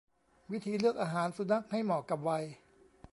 วิธีเลือกอาหารสุนัขให้เหมาะกับวัย